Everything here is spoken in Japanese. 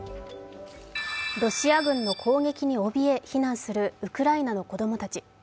ロシア軍の攻撃に脅え、避難するウクライナの子供たち。